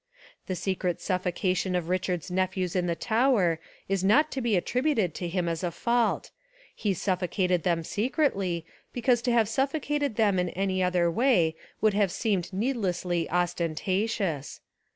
The secret suffoca 271 Essays and Literary Studies tlon of Richard's nephews in the Tower is not to be attributed to him as a fault. He suffo cated them secretly because to have suffocated them in any other way would have seemed needlessly ostentatious.